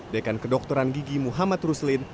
dekan kedokteran gigi muhammad ruslin